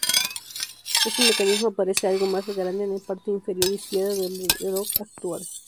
Este mecanismo aparece, algo más grande, en la parte inferior izquierda del reloj actual.